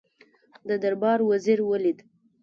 د دربار وزیر ولید.